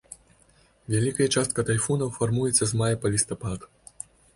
Вялікая частка тайфунаў фармуецца з мая па лістапад.